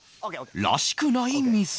らしくないミス